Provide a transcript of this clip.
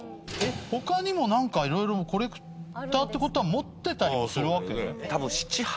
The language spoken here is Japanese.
他にも何か色々コレクターってことは持ってたりもするわけ？